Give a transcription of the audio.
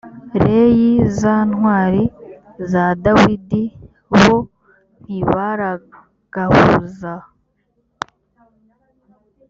reyi za ntwari za dawidi bo ntibaragahuza